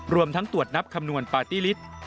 รวมทั้งตรวจนับคำนวณปาร์ตี้ลิต